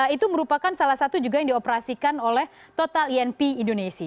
itu merupakan salah satu juga yang dioperasikan oleh total inp indonesia